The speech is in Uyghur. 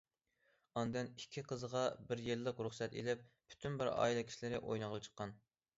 ئاندىن ئىككى قىزىغا بىر يىللىق رۇخسەت ئېلىپ پۈتۈن بىر ئائىلە كىشىلىرى ئوينىغىلى چىققان.